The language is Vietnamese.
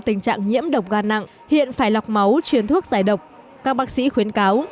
tình trạng nhiễm độc gan nặng hiện phải lọc máu chuyển thuốc giải độc các bác sĩ khuyến cáo